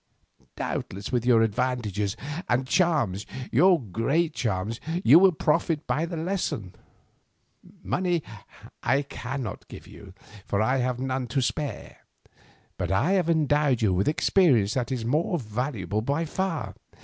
Doubtless with your advantages and charms, your great charms, you will profit by the lesson. Money I cannot give you, for I have none to spare, but I have endowed you with experience that is more valuable by far.